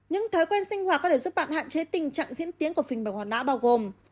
những thói quen sinh hoạt có thể giúp bạn hạn chế tình trạng diễn tiến của phình mạch máu não bao gồm